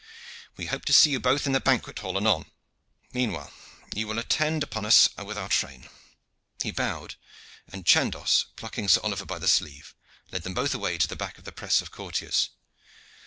We hope to see you both in the banquet hall anon. Meanwhile you will attend upon us with our train." He bowed, and Chandos, plucking Sir Oliver by the sleeve, led them both away to the back of the press of courtiers.